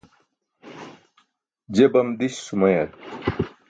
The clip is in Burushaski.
je bam diś sumayar